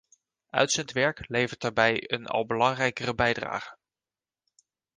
Uitzendwerk levert daarbij een al belangrijkere bijdrage.